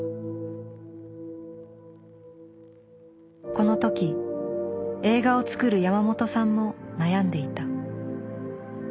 この時映画を作る山本さんも悩んでいた。